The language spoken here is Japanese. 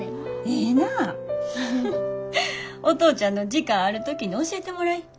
お父ちゃんの時間ある時に教えてもらい。